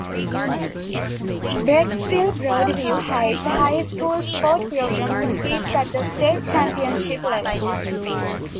Brecksville-Broadview Heights High School's sports program competes at the state championship level.